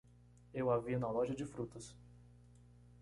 Eu a vi na loja de frutas